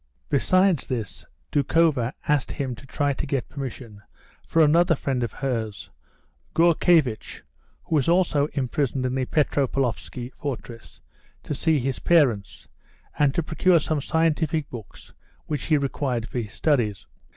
Besides this, Doukhova asked him to try and get permission for another friend of hers, Gourkevitch (who was also imprisoned in the Petropavlovsky fortress), to see his parents, and to procure some scientific books which he required for his studies.